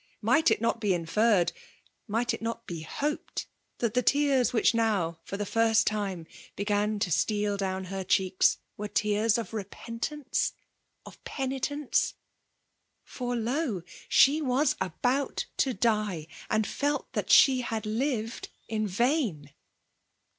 — Might it not be inferred— might it not be hoped* * that the tears which now« for the first tknew began to steal down her cheeks^ were teani of repentance— of penitence ? For lo ! She was about to die, and feli that ahe had lived m vain